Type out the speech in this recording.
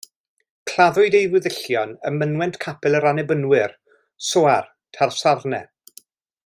Claddwyd ei weddillion ym mynwent capel yr Annibynwyr, Soar, Talsarnau.